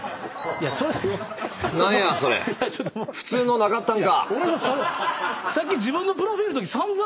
ふつうのなかったんか。